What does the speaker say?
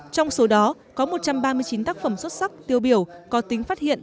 trong số đó có một trăm ba mươi chín tác phẩm xuất sắc tiêu biểu có tính phát hiện